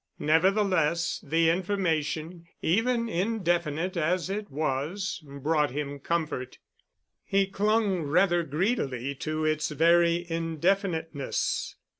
Nevertheless the information, even indefinite as it was, brought him comfort. He clung rather greedily to its very indefiniteness.